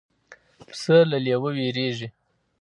پسه له لېوه وېرېږي.